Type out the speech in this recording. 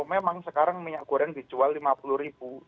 memang sekarang minyak goreng dijual rp lima puluh ribu